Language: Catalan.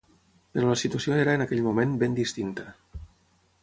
Però la situació era en aquell moment ben distinta.